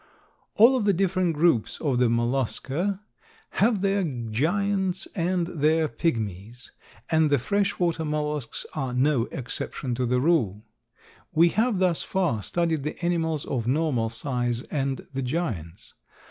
All of the different groups of the mollusca have their giants and their pigmies and the fresh water mollusks are no exception to the rule. We have thus far studied the animals of normal size and the giants.